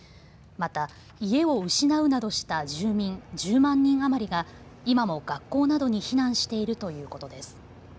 また家を失うなどした住民１０万人余りが今も学校などに避難しているということです。